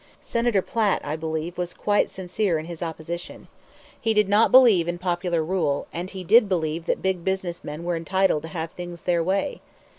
Senator Platt, I believe, was quite sincere in his opposition. He did not believe in popular rule, and he did believe that the big business men were entitled to have things their way.